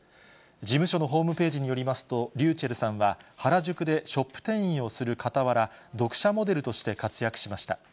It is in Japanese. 事務所のホームページによりますと、ｒｙｕｃｈｅｌｌさんは、原宿でショップ店員をするかたわら、読者モデルとして活躍しました。